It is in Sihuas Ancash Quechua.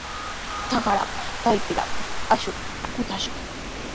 Trakrapa trawpintraw akshuta qutuyashqa.